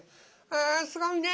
「あすごいね。